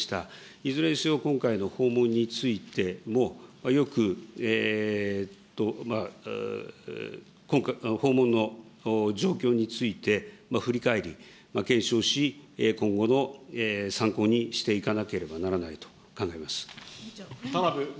いずれにせよ、今回の訪問についても、よく、訪問の状況について振り返り、検証し、今後の参考にしていかなければならないと考えます。